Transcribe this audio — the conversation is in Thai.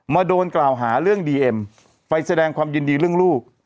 โดนกล่าวหาเรื่องดีเอ็มไปแสดงความยินดีเรื่องลูก